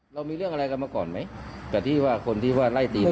เรามีเรื่องอะไรกันมาก่อนไหมแต่ที่ว่าคนที่ว่าไล่ตี